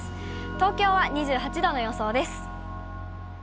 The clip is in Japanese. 東京は２８度の予想です。